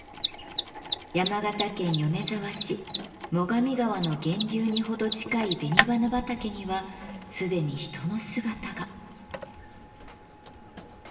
山形県米沢市最上川の源流に程近い紅花畑には既に人の姿が。